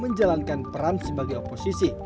menjalankan peran sebagai oposisi